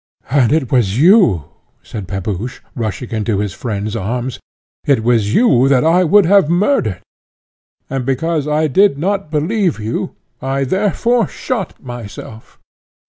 "And it was you," said Pepusch, rushing into his friend's arms, "it was you that I would have murdered, and, because I did not believe you, I therefore shot myself.